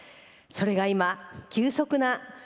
それが急速な。